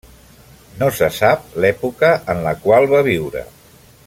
No se sap l'època en la qual va viure.